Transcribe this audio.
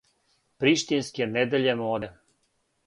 Приштинске недеље моде.